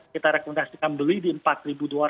kita rekomendasikan beli di rp empat dua ratus